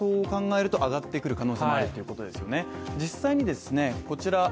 そう考えると上がってくる可能性っていうことですよね